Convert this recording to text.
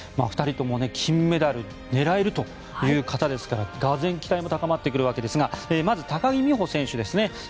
２人とも金メダル狙えるという方ですから俄然、期待も高まってくるわけですがまず、高木美帆選手ですね。